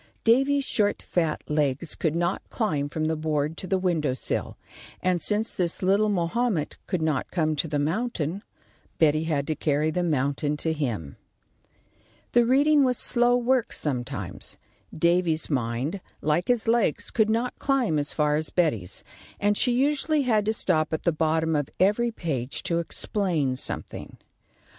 Davy's short fat legs could not climb from the board to the window sill, and since this little Mahomet could not come to the mountain, Betty had to carry the mountain to him. The reading was slow work sometimes. Davy's mind, like his legs, could not climb as far as Betty's, and she usually had to stop at the bottom of every page to explain something.